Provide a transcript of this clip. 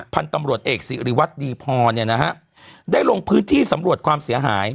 พันธุ์ตำรวจเอกสิริวัตรดีพอเนี่ยนะฮะได้ลงพื้นที่สำรวจความเสียหาย